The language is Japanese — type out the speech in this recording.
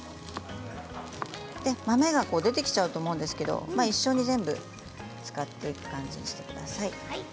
豆が出てきちゃうと思うんですけど一緒に全部使っていく感じにしてください。